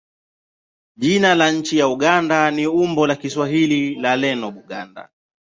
Jina la nchi Uganda ni umbo la Kiswahili la neno Buganda.